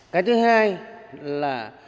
cái thứ hai là